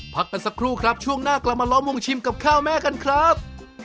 พักกันสักครู่ครับช่วงหน้ากลับมาล้อมวงชิมกับข้าวแม่กันครับ